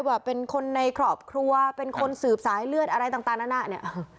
ว่าเป็นคนในครอบครัวเป็นคนสืบสายเลือดอะไรต่างนานาเนี่ย